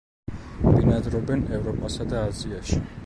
ბინადრობენ ევროპასა და აზიაში.